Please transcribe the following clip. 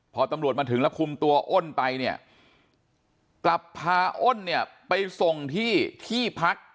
พอตำรวจมาถึงแล้วคุมตัวอ้นไปเนี่ยกลับพาอ้นเนี่ยไปส่งที่ที่พัก